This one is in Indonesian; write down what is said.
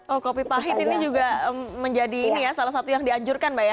oh kopi pahit ini juga menjadi ini ya salah satu yang dianjurkan mbak ya